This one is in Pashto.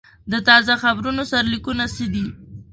د تازه خبرونو سرلیکونه څه دي؟